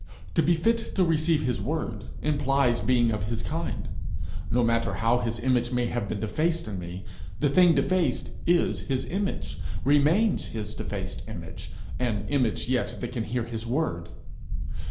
To be fit to receive his word implies being of his kind. No matter how his image may have been defaced in me: the thing defaced is his image, remains his defaced image an image yet that can hear his word.